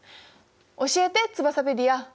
教えてツバサペディア。